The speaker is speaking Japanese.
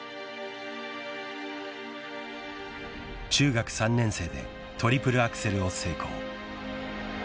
［中学３年生でトリプルアクセルを成功］